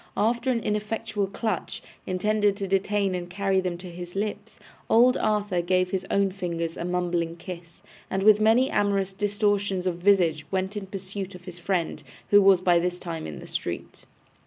After an ineffectual clutch, intended to detain and carry them to his lips, old Arthur gave his own fingers a mumbling kiss, and with many amorous distortions of visage went in pursuit of his friend, who was by this time in the street.